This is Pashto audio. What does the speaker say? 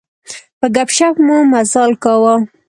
په ګپ شپ مو مزال کاوه.